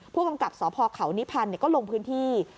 ผู้กำกับสพเขานิพันธ์ก็ลงพื้นที่